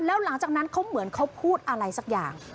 แล้วหลังจากนั้นเขาเหมือนเขาพูดอะไรสักอย่าง